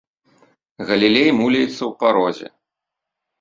Галілей муляецца ў парозе.